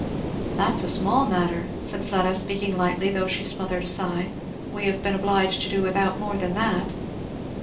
"That's a small matter!" said Fleda, speaking lightly though she smothered a sigh. "We have been obliged to do without more than that."